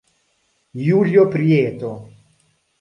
Julio Prieto